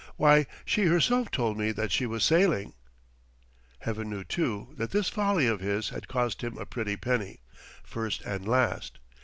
Why, she herself told me that she was sailing ...!" Heaven knew, too, that this folly of his had cost him a pretty penny, first and last.